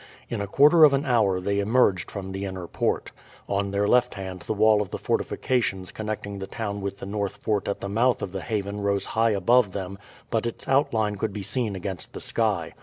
In a quarter of an hour they emerged from the inner port. On their left hand the wall of the fortifications connecting the town with the north fort at the mouth of the haven rose high above them, but its outline could be seen against the sky.